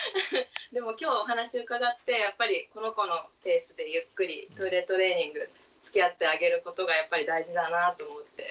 でもきょうお話伺ってやっぱりこの子のペースでゆっくりトイレトレーニングつきあってあげることがやっぱり大事だなぁと思って。